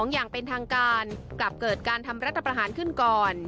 อย่างเป็นทางการกลับเกิดการทำรัฐประหารขึ้นก่อน